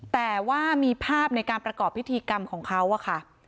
แต่ว่ามีภาพในการประกอบพิธีกรรมของเขาอะค่ะ